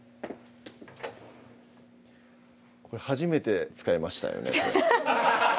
これ初めて使いましたよね